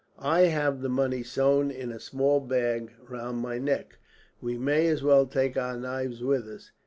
"I have the money sewn in a small bag round my neck. We may as well take our knives with us.